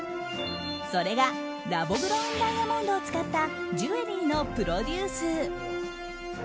それがラボグロウンダイヤモンドを使ったジュエリーのプロデュース。